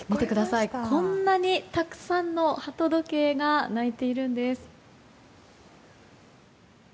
こんなにたくさんの鳩時計が鳴いているんです。